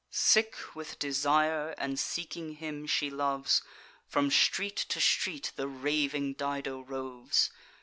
Sick with desire, and seeking him she loves, From street to street the raving Dido roves.